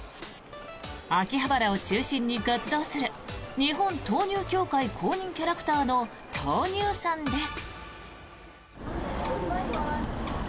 秋葉原を中心に活動する日本豆乳協会公認キャラクターの豆乳さんです。